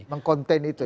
meng contain itu ya